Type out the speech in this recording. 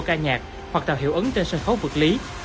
ca nhạc hoặc tạo hiệu ứng trên sân khấu vượt lý